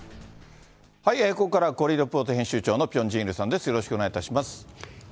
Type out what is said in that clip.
ここからはコリア・レポート編集長のピョン・ジンイルさんでよろしくお願いいたします。